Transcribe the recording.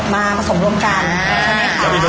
มาผสมร่วมกันใช่ไหมคะ